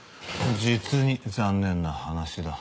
実に残念な話だ。